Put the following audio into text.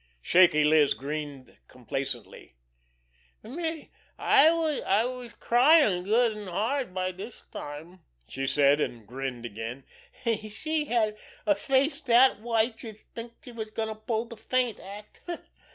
Shaky Liz grinned complacently. "Me, I was cryin' good an' hard by dis time," she said, and grinned again, "an' she had a face dat white youse'd think she was goin' to pull de faint act.